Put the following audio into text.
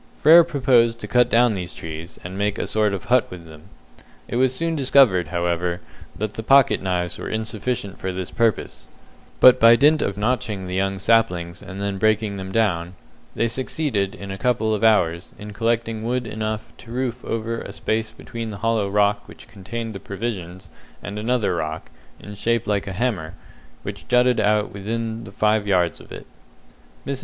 Frere proposed to cut down these trees, and make a sort of hut with them. It was soon discovered, however, that the pocket knives were insufficient for this purpose, but by dint of notching the young saplings and then breaking them down, they succeeded, in a couple of hours, in collecting wood enough to roof over a space between the hollow rock which contained the provisions and another rock, in shape like a hammer, which jutted out within five yards of it. Mrs.